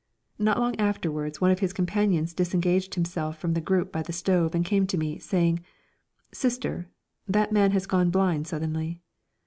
Not long afterwards one of his companions disengaged himself from the group by the stove and came to me, saying: "Sister, that man has gone blind suddenly."